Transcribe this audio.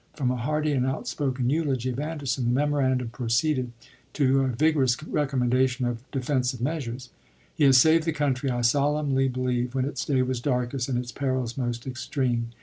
From a hearty and outspoken eulogy of Anderson, the memorandum proceeded to a vigorous recommendation of defen sive measures : He has saved the country, I solemnly believe, when its day was darkest, and its perils most extreme.